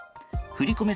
振り込め